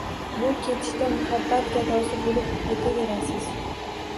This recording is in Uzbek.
Bu ketishda muhabbat gadosi bo`lib o`taverasiz